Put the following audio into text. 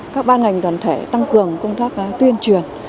các ban ngành đoàn thể tăng cường công tác tuyên truyền